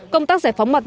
công tác giải phóng mặt bộ